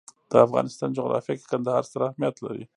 د افغانستان جغرافیه کې کندهار ستر اهمیت لري.